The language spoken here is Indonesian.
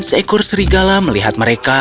seekor serigala melihat mereka